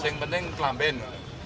yang penting kelampin